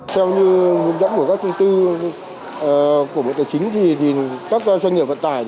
theo như dẫn của các trung tư của bộ tài chính thì các doanh nghiệp vận tài